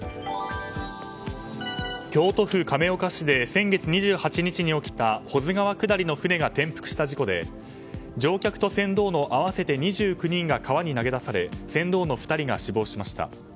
京都府亀岡市で先月２８日に起きた保津川下りの船が転覆した事故で乗客と船頭の合わせて２９人が川に投げ出され船頭の２人が死亡しました。